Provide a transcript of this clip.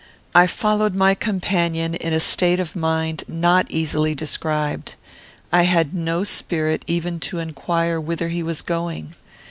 I followed my companion in a state of mind not easily described. I had no spirit even to inquire whither he was going.